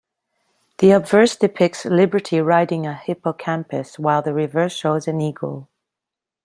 The obverse depicts Liberty riding a Hippocampus, while the reverse shows an eagle.